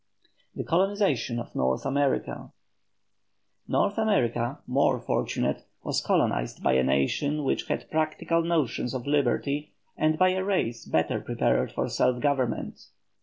THE COLONIZATION OF NORTH AMERICA. North America, more fortunate, was colonized by a nation which had practical notions of liberty, and by a race better prepared for self government.